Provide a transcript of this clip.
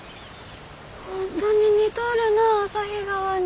本当に似とるなあ旭川に。